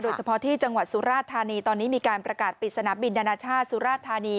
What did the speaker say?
เฉพาะที่จังหวัดสุราธานีตอนนี้มีการประกาศปิดสนามบินนานาชาติสุราธานี